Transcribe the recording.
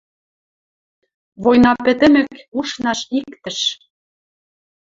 Война пӹтӹмӹк ушнаш иктӹш.